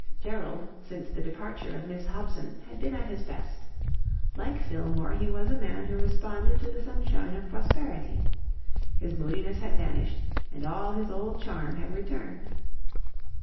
Gerald, since the departure of Miss Hobson, had been at his best. Like Fillmore, he was a man who responded to the sunshine of prosperity. His moodiness had vanished, and all his old charm had returned.